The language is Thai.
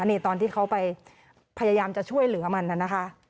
นี่ตอนที่เขาไปพยายามจะช่วยเหลือมันนะคะ